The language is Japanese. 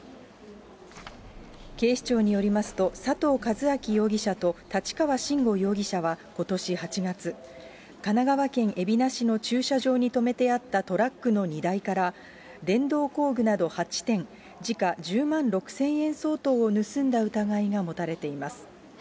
警視庁によりますと、佐藤一昭容疑者と、立川真吾容疑者は、ことし８月、神奈川県海老名市の駐車場に止めてあったトラックの荷台から、電動工具など８点、時価１０万６０００円相当を盗んだ疑いが持たれています。